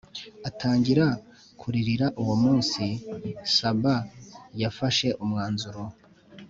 atangira kuririra Uwo munsi Saba yafashe umwanzuro